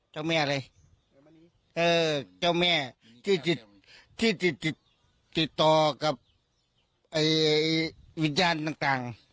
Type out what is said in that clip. เจ้าแม่อะไรเออเจ้าแม่ที่ที่ที่ติดต่อกับเอ่ยวิญญาณต่างต่าง